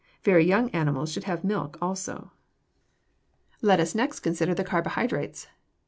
Very young animals should have milk also. Let us next consider the carbohydrates.